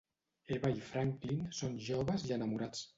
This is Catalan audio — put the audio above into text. Eva i Franklin són joves i enamorats.